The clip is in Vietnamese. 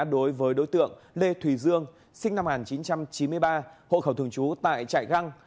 đối với đối tượng lê thùy dương sinh năm một nghìn chín trăm chín mươi ba hộ khẩu thường trú tại trại găng